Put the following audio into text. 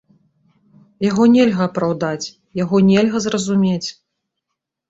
Яго нельга апраўдаць, яго нельга зразумець.